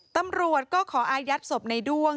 ตำรวจก็ขออายัดศพในด้วง